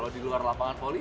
di luar lapangan voli